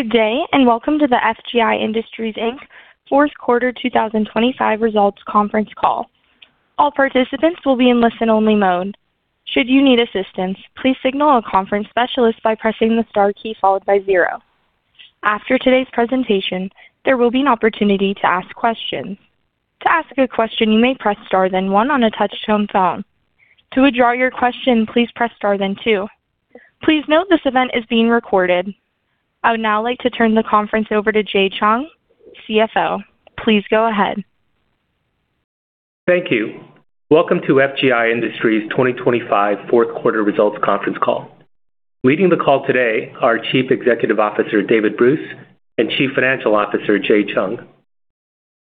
Good day. Welcome to the FGI Industries Inc. Fourth Quarter 2025 Results Conference Call. All participants will be in listen-only mode. Should you need assistance, please signal a conference specialist by pressing the star key followed by zero. After today's presentation, there will be an opportunity to ask questions. To ask a question, you may press star then one on a touch-tone phone. To withdraw your question, please press star then two. Please note this event is being recorded. I would now like to turn the conference over to Jae Chung, CFO. Please go ahead. Thank you. Welcome to FGI Industries 2025 fourth quarter results conference call. Leading the call today, our Chief Executive Officer, David Bruce, and Chief Financial Officer, Jae Chung.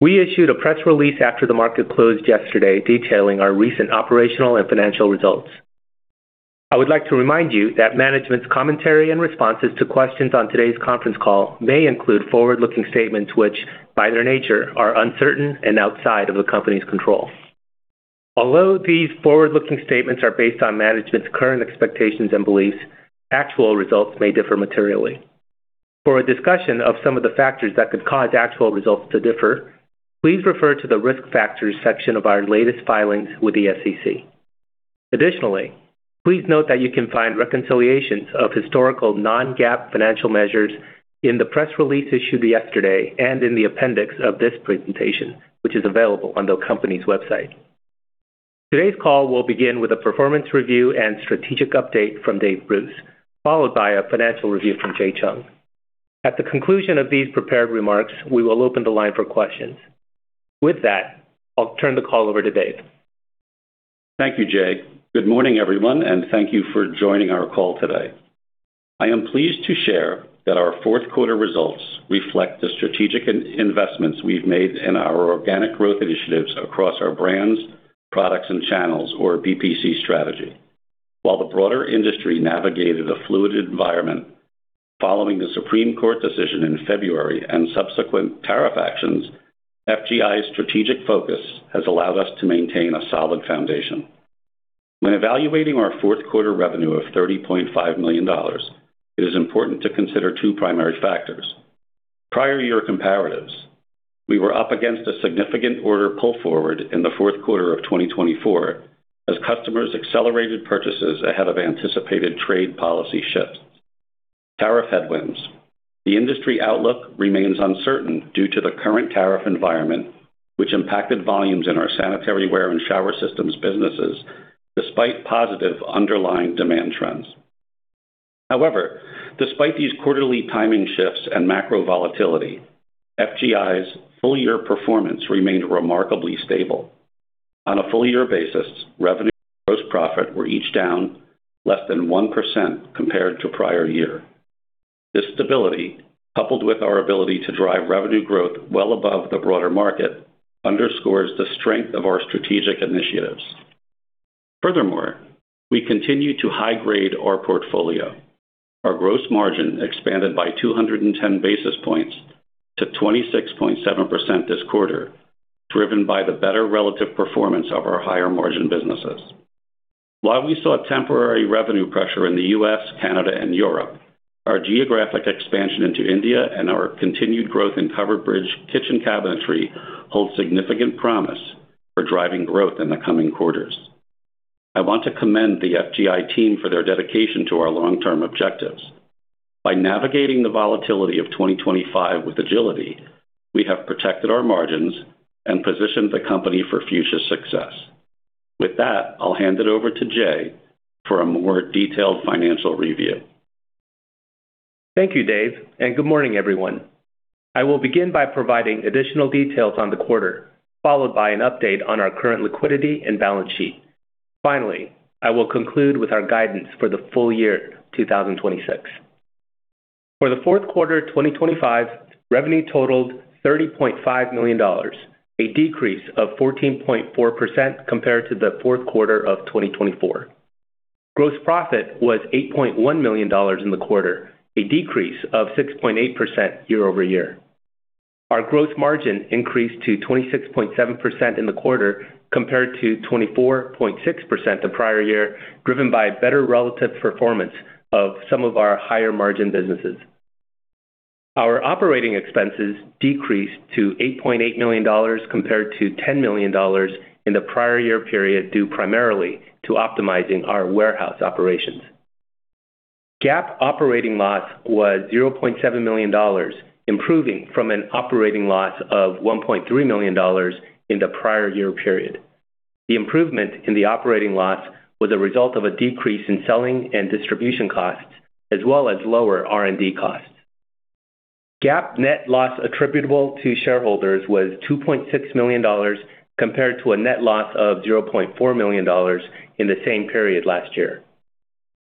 We issued a press release after the market closed yesterday detailing our recent operational and financial results. I would like to remind you that management's commentary and responses to questions on today's conference call may include forward-looking statements, which, by their nature, are uncertain and outside of the company's control. Although these forward-looking statements are based on management's current expectations and beliefs, actual results may differ materially. For a discussion of some of the factors that could cause actual results to differ, please refer to the Risk Factors section of our latest filings with the SEC. Additionally, please note that you can find reconciliations of historical non-GAAP financial measures in the press release issued yesterday and in the appendix of this presentation, which is available on the company's website. Today's call will begin with a performance review and strategic update from David Bruce, followed by a financial review from Jae Chung. At the conclusion of these prepared remarks, we will open the line for questions. With that, I'll turn the call over to David Bruce. Thank you, Jae. Good morning, everyone, and thank you for joining our call today. I am pleased to share that our fourth quarter results reflect the strategic investments we've made in our organic growth initiatives across our brands, products, and channels, or BPC strategy. While the broader industry navigated a fluid environment following the Supreme Court decision in February and subsequent tariff actions, FGI's strategic focus has allowed us to maintain a solid foundation. When evaluating our fourth quarter revenue of $30.5 million, it is important to consider two primary factors. Prior year comparatives, we were up against a significant order pull forward in the fourth quarter of 2024 as customers accelerated purchases ahead of anticipated trade policy shifts. Tariff headwinds, the industry outlook remains uncertain due to the current tariff environment, which impacted volumes in our sanitaryware and shower systems businesses despite positive underlying demand trends. However, despite these quarterly timing shifts and macro volatility, FGI's full-year performance remained remarkably stable. On a full-year basis, revenue and gross profit were each down less than 1% compared to prior year. This stability, coupled with our ability to drive revenue growth well above the broader market, underscores the strength of our strategic initiatives. Furthermore, we continue to high-grade our portfolio. Our gross margin expanded by 210 basis points to 26.7% this quarter, driven by the better relative performance of our higher-margin businesses. While we saw temporary revenue pressure in the U.S., Canada, and Europe, our geographic expansion into India and our continued growth in Covered Bridge kitchen cabinetry hold significant promise for driving growth in the coming quarters. I want to commend the FGI team for their dedication to our long-term objectives. By navigating the volatility of 2025 with agility, we have protected our margins and positioned the company for future success. With that, I'll hand it over to Jae for a more detailed financial review. Thank you, Dave, and good morning, everyone. I will begin by providing additional details on the quarter, followed by an update on our current liquidity and balance sheet. Finally, I will conclude with our guidance for the full year 2026. For the fourth quarter 2025, revenue totaled $30.5 million, a decrease of 14.4% compared to the fourth quarter of 2024. Gross profit was $8.1 million in the quarter, a decrease of 6.8% year-over-year. Our gross margin increased to 26.7% in the quarter, compared to 24.6% the prior year, driven by better relative performance of some of our higher-margin businesses. Our operating expenses decreased to $8.8 million compared to $10 million in the prior year period, due primarily to optimizing our warehouse operations. GAAP operating loss was $0.7 million, improving from an operating loss of $1.3 million in the prior year period. The improvement in the operating loss was a result of a decrease in selling and distribution costs, as well as lower R&D costs. GAAP net loss attributable to shareholders was $2.6 million, compared to a net loss of $0.4 million in the same period last year.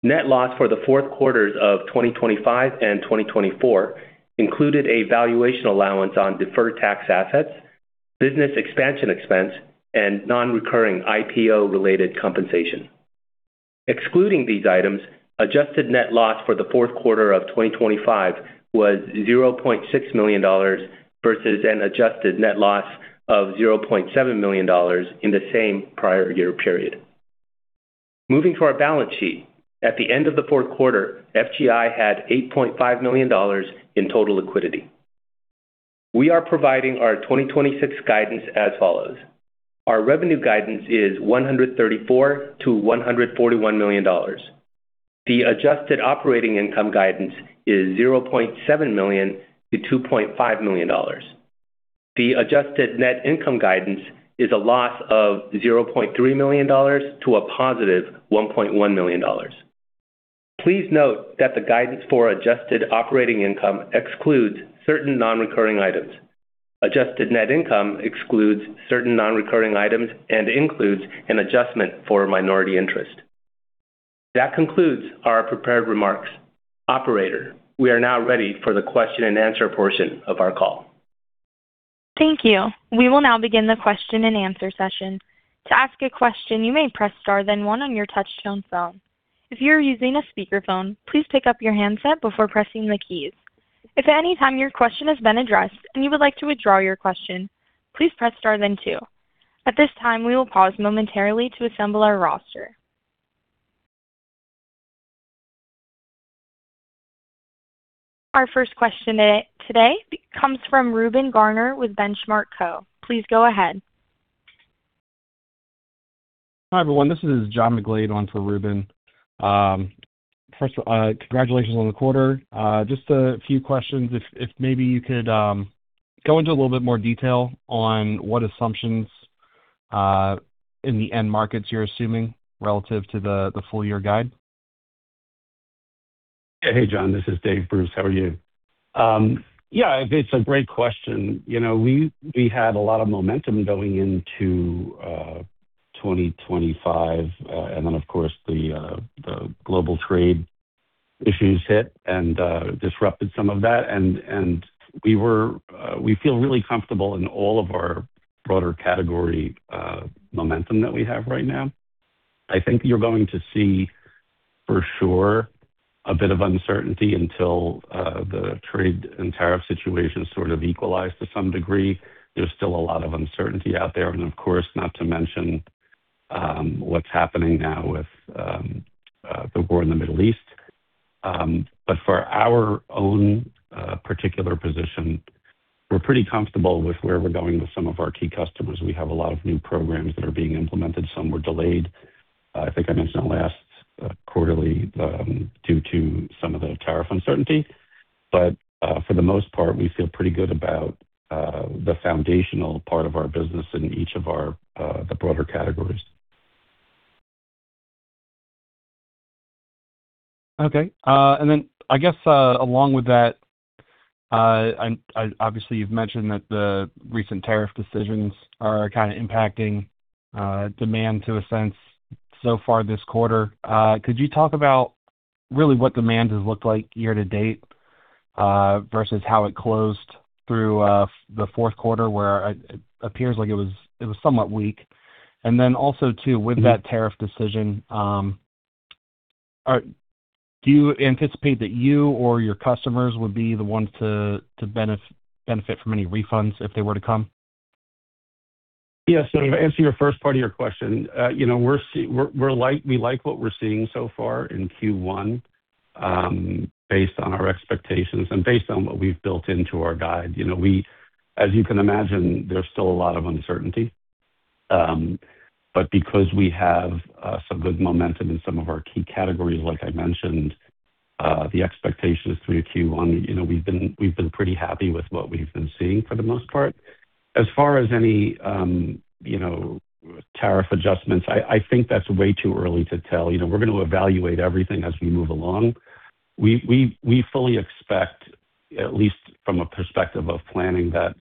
Net loss for the fourth quarters of 2025 and 2024 included a valuation allowance on deferred tax assets, business expansion expense, and non-recurring IPO-related compensation. Excluding these items, adjusted net loss for the fourth quarter of 2025 was $0.6 million versus an adjusted net loss of $0.7 million in the same prior year period. Moving to our balance sheet. At the end of the fourth quarter, FGI had $8.5 million in total liquidity. We are providing our 2026 guidance as follows. Our revenue guidance is $134 million-$141 million. The adjusted operating income guidance is $0.7 million-$2.5 million. The adjusted net income guidance is a loss of $0.3 million to a positive $1.1 million. Please note that the guidance for adjusted operating income excludes certain non-recurring items. Adjusted net income excludes certain non-recurring items and includes an adjustment for minority interest. That concludes our prepared remarks. Operator, we are now ready for the question and answer portion of our call. Thank you. We will now begin the question and answer session. To ask a question, you may press star, then one on your touchtone phone. If you're using a speakerphone, please pick up your handset before pressing the keys. If at any time your question has been addressed and you would like to withdraw your question, please press star then two. At this time, we will pause momentarily to assemble our roster. Our first question today comes from Reuben Garner with Benchmark Co. Please go ahead. Hi, everyone. This is John McGlade on for Reuben. First, congratulations on the quarter. Just a few questions, if maybe you could go into a little bit more detail on what assumptions in the end markets you're assuming relative to the full-year guide? Hey, John. This is Dave Bruce. How are you? Yeah, it's a great question. We had a lot of momentum going into 2025, and then, of course, the global trade issues hit and disrupted some of that. We feel really comfortable in all of our broader category momentum that we have right now. I think you're going to see, for sure, a bit of uncertainty until the trade and tariff situation sort of equalize to some degree. There's still a lot of uncertainty out there, and of course, not to mention what's happening now with the war in the Middle East. For our own particular position, we're pretty comfortable with where we're going with some of our key customers. We have a lot of new programs that are being implemented. Some were delayed, I think I mentioned on last quarterly, due to some of the tariff uncertainty. For the most part, we feel pretty good about the foundational part of our business in each of the broader categories. Okay. I guess along with that, obviously you've mentioned that the recent tariff decisions are kind of impacting demand to a sense so far this quarter. Could you talk about really what demand has looked like year to date versus how it closed through the fourth quarter where it appears like it was somewhat weak? Also too, with that tariff decision, do you anticipate that you or your customers would be the ones to benefit from any refunds if they were to come? Yeah. To answer your first part of your question, we like what we're seeing so far in Q1 based on our expectations and based on what we've built into our guide. As you can imagine, there's still a lot of uncertainty. Because we have some good momentum in some of our key categories, like I mentioned, the expectations through Q1, we've been pretty happy with what we've been seeing for the most part. As far as any tariff adjustments, I think that's way too early to tell. We're going to evaluate everything as we move along. We fully expect, at least from a perspective of planning, that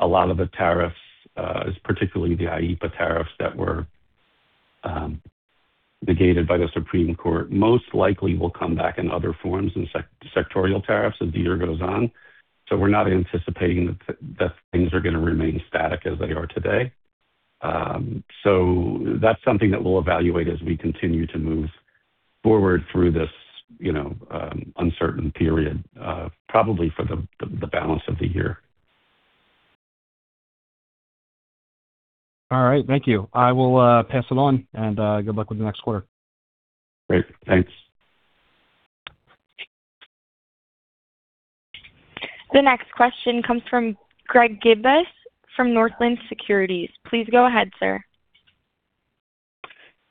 a lot of the tariffs, particularly the IEPA tariffs that were negated by the Supreme Court, most likely will come back in other forms in sectoral tariffs as the year goes on. We're not anticipating that things are going to remain static as they are today. That's something that we'll evaluate as we continue to move forward through this uncertain period, probably for the balance of the year. All right, thank you. I will pass it on, and good luck with the next quarter. Great. Thanks. The next question comes from Greg Gibas from Northland Securities. Please go ahead, sir.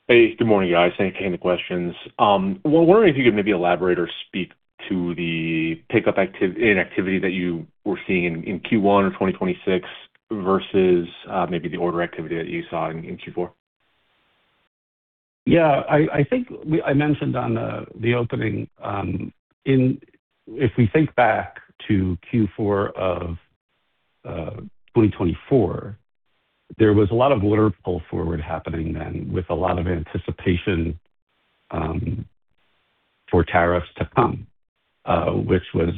Hey, good morning, guys. Thanks for taking the questions. I was wondering if you could maybe elaborate or speak to the pickup in activity that you were seeing in Q1 of 2026 versus maybe the order activity that you saw in Q4. Yeah. I think I mentioned on the opening, if we think back to Q4 of 2024, there was a lot of order pull forward happening then with a lot of anticipation for tariffs to come, which was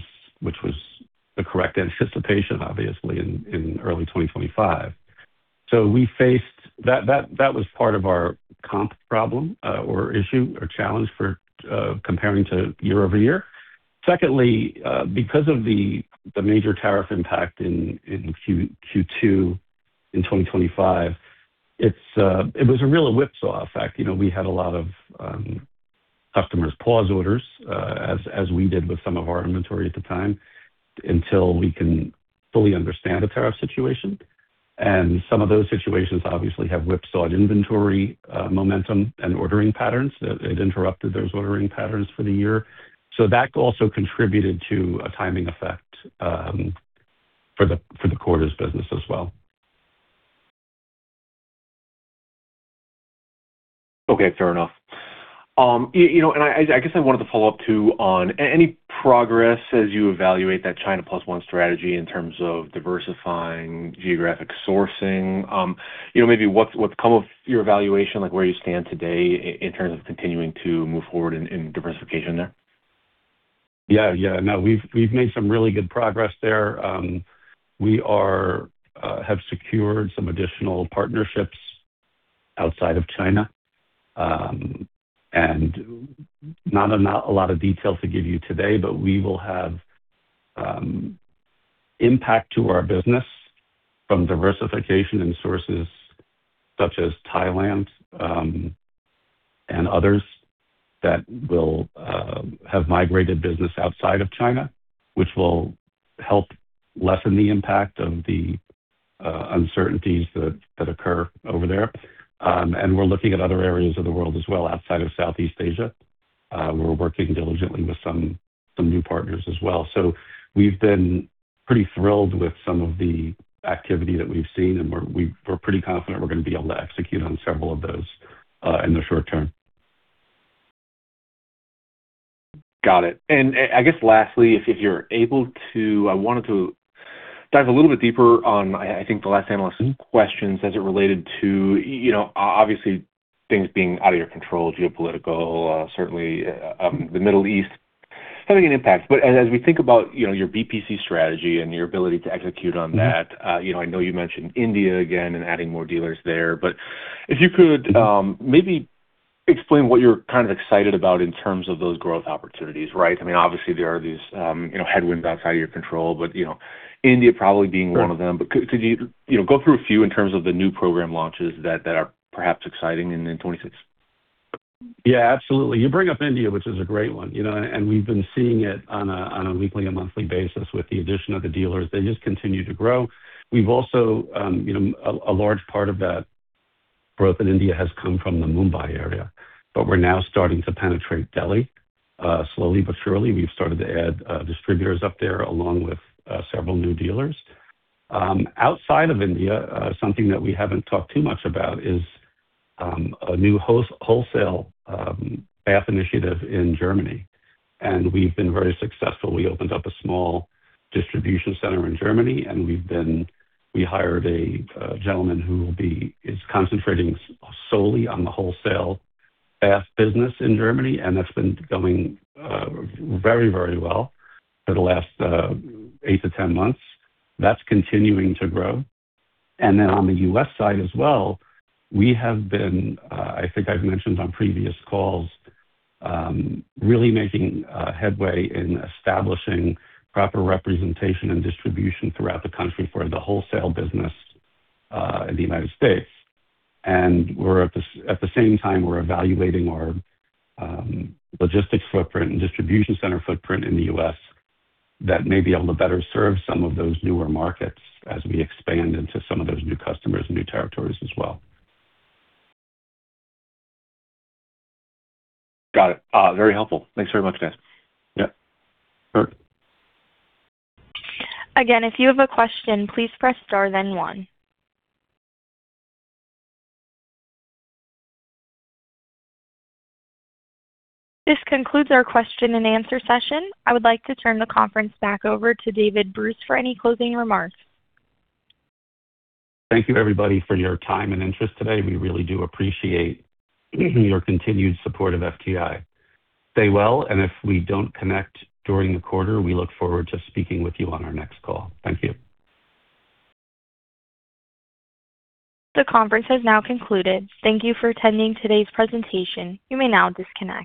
the correct anticipation, obviously, in early 2025. That was part of our comp problem or issue or challenge for comparing to year-over-year. Secondly, because of the major tariff impact in Q2 in 2025, it was a real whipsaw effect. We had a lot of customers pause orders, as we did with some of our inventory at the time, until we can fully understand the tariff situation. Some of those situations obviously have whipsawed inventory momentum and ordering patterns. It interrupted those ordering patterns for the year. That also contributed to a timing effect for the quarter's business as well. Okay, fair enough. I guess I wanted to follow up too on any progress as you evaluate that China Plus One strategy in terms of diversifying geographic sourcing. Maybe what's come of your evaluation, like where you stand today in terms of continuing to move forward in diversification there? Yeah. No, we've made some really good progress there. We have secured some additional partnerships outside of China. Not a lot of detail to give you today, but we will have impact to our business from diversification and sources such as Thailand, and others that will have migrated business outside of China, which will help lessen the impact of the uncertainties that occur over there. We're looking at other areas of the world as well outside of Southeast Asia. We're working diligently with some new partners as well. We've been pretty thrilled with some of the activity that we've seen, and we're pretty confident we're gonna be able to execute on several of those, in the short term. Got it. I guess lastly, if you're able to, I wanted to dive a little bit deeper on, I think, the last analyst questions as it related to, obviously things being out of your control, geopolitical, certainly the Middle East having an impact. As we think about your BPC strategy and your ability to execute on that, I know you mentioned India again and adding more dealers there, but if you could maybe explain what you're kind of excited about in terms of those growth opportunities, right? I mean, obviously there are these headwinds outside of your control, but India probably being one of them. Could you go through a few in terms of the new program launches that are perhaps exciting in 2026? Yeah, absolutely. You bring up India, which is a great one. We've been seeing it on a weekly and monthly basis with the addition of the dealers. They just continue to grow. A large part of that growth in India has come from the Mumbai area. We're now starting to penetrate Delhi, slowly but surely. We've started to add distributors up there, along with several new dealers. Outside of India, something that we haven't talked too much about is a new wholesale FAF initiative in Germany, and we've been very successful. We opened up a small distribution center in Germany, and we hired a gentleman who is concentrating solely on the wholesale FAF business in Germany, and that's been going very well for the last eight-10 months. That's continuing to grow. On the U.S. side as well, we have been, I think I've mentioned on previous calls, really making headway in establishing proper representation and distribution throughout the country for the wholesale business, in the United States. At the same time, we're evaluating our logistics footprint and distribution center footprint in the U.S. that may be able to better serve some of those newer markets as we expand into some of those new customers and new territories as well. Got it. Very helpful. Thanks very much, guys. Yep. Sure. Again, if you have a question, please press star then one. This concludes our question and answer session. I would like to turn the conference back over to David Bruce for any closing remarks. Thank you everybody for your time and interest today, we really do appreciate your continued support of FGI.Stay well, and if we don't connect during the quarter, we look forward to speaking with you on our next call. Thank you. The conference has now concluded. Thank you for attending today's presentation. You may now disconnect.